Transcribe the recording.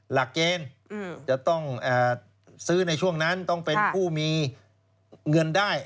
หลักเกณฑ์จะต้องซื้อในช่วงนั้นต้องเป็นผู้มีเงินได้